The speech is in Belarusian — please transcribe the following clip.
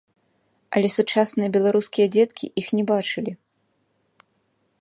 Але сучасныя беларускія дзеткі іх не бачылі.